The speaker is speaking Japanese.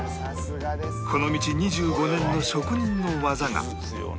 この道２５年の職人の技が白米を